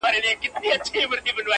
توپونو وراني کړلې خوني د قلا برجونه!